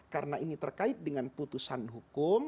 karena ini terkait dengan putusan hukum